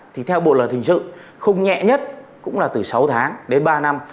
thì theo bộ lợi thình sự khung nhẹ nhất cũng là từ sáu tháng đến ba năm